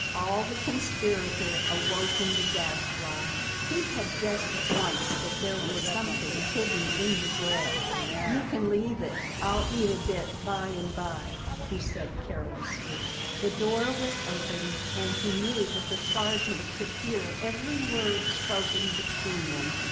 All the conspirator awoke in the Gadfly; he had guessed at once that there was something hidden in the bread. "You can leave it; I'll eat a bit by and by," he said carelessly. The door was open, and he knew that the sergeant on the stairs could hear every word spoken between them.